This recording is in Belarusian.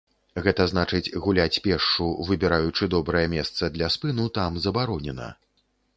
Гэта значыць, гуляць пешшу, выбіраючы добрае месца для спыну, там забаронена.